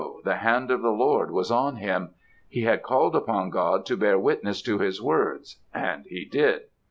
the hand of the Lord was on him. He had called upon God to bear witness to his words; and he did.